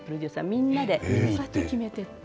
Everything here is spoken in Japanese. みんなで決めて行って。